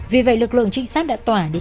vì vậy lực lượng trinh sát đã tỏa đi